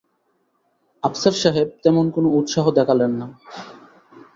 আফসার সাহেব তেমন কোনো উৎসাহ দেখালেন না।